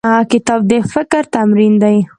کتاب د فکر تمرین دی.